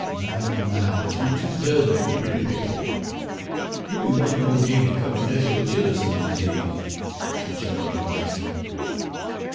My, my! but you two does make a pretty pictur'! You'll be wantin' ole Jane ter come an' nuss yo' child'en some er dese days," she chuckled unctuously.